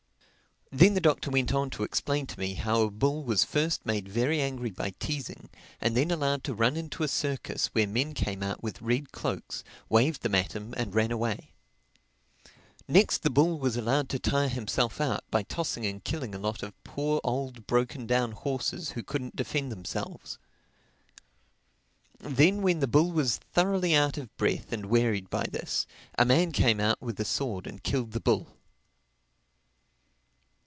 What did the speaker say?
Then the Doctor went on to explain to me how a bull was first made very angry by teasing and then allowed to run into a circus where men came out with red cloaks, waved them at him, and ran away. Next the bull was allowed to tire himself out by tossing and killing a lot of poor, old, broken down horses who couldn't defend themselves. Then, when the bull was thoroughly out of breath and wearied by this, a man came out with a sword and killed the bull.